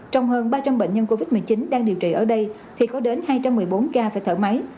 trong hơn ba trăm linh bệnh nhân covid một mươi chín đang điều trị ở đây thì có đến hai trăm một mươi bốn ca phải thở máy